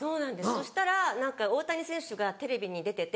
そしたら何か大谷選手がテレビに出てて。